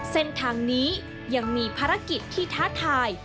เส้นทางนี้ยังมีภารกิจที่ท้าทาย